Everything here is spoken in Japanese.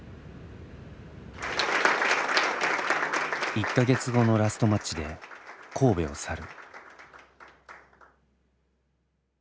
１か月後のラストマッチで神戸を去る。